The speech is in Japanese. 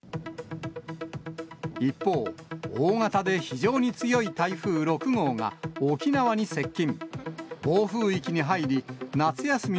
一方、大型で非常に強い台風６号が沖縄に接近。